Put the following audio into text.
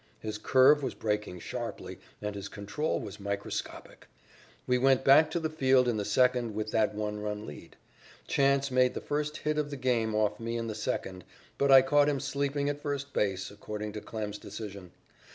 His curve was breaking sharply, and his control was microscopic. We went back to the field in the second with that one run lead. Chance made the first hit of the game off me in the second, but I caught him sleeping at first base, according to Klem's decision.